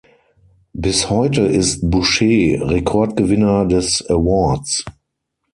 Bis heute ist Boucher Rekordgewinner des Awards.